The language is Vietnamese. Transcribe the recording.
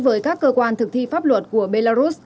với các cơ quan thực thi pháp luật của belarus